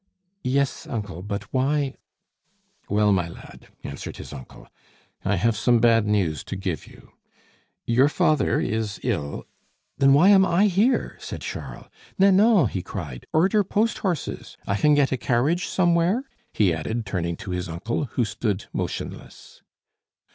"Yes, uncle; but why " "Well, my lad," answered his uncle, "I have some bad news to give you. Your father is ill " "Then why am I here?" said Charles. "Nanon," he cried, "order post horses! I can get a carriage somewhere?" he added, turning to his uncle, who stood motionless.